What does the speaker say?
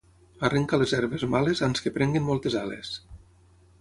Arrenca les herbes males ans que prenguen moltes ales.